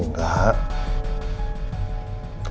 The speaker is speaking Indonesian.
kayu ini standards lamp